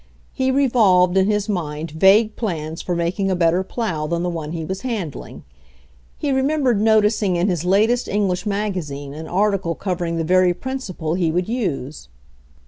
He revolved in his mind vague plans for making a better plow than the one he was handling; he remembered noticing in his latest English magazine an article covering the very principle he would use.